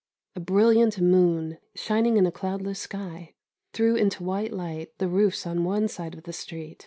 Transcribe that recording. A brilliant moon, shining in a cloudless sky, threw into white light the roofs on one side the street.